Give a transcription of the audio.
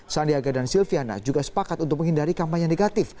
sandiaga dan silviana juga sepakat untuk menghindari kampanye negatif